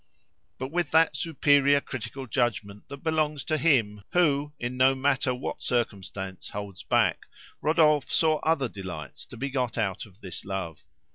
But with that superior critical judgment that belongs to him who, in no matter what circumstance, holds back, Rodolphe saw other delights to be got out of this love.